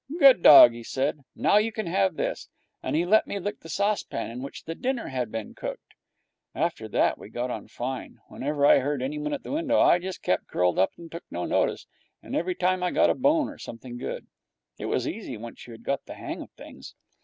'Good dog!' he said. 'Now you can have this.' And he let me lick out the saucepan in which the dinner had been cooked. After that, we got on fine. Whenever I heard anyone at the window I just kept curled up and took no notice, and every time I got a bone or something good. It was easy, once you had got the hang of things.